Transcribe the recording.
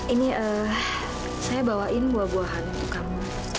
ini saya bawain buah buah hal untuk kamu